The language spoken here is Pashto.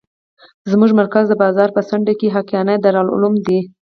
زموږ مرکز د بازار په څنډه کښې حقانيه دارالعلوم دى.